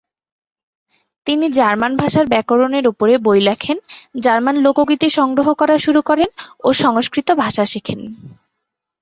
তিনি জার্মান ভাষার ব্যাকরণের ওপরে বই লেখেন, জার্মান লোকগীতি সংগ্রহ করা শুরু করেন ও সংস্কৃত ভাষা শেখেন।